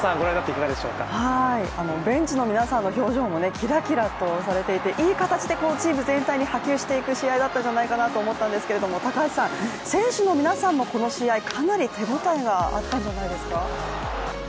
ベンチの皆さんの表情もキラキラとされていて、いい形でチーム全体に波及していく試合だったんじゃないかと思いましたが高橋さん、選手の皆さんもこの試合、かなり手応えがあったんじゃないですか。